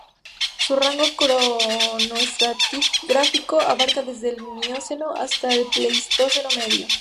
Su rango cronoestratigráfico abarca desde el Mioceno hasta el Pleistoceno medio.